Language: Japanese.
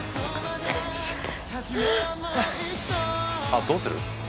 あっどうする？